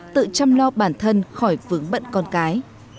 tự chăm lo bản thân khỏi vướng bận con cái